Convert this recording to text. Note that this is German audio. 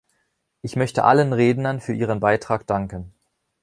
Ich möchte allen Rednern für Ihren Beitrag danken.